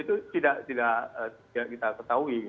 itu tidak kita ketahui